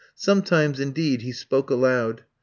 Sometimes, indeed, he spoke aloud.